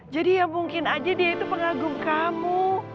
jadi ya mungkin aja dia itu pengagum kamu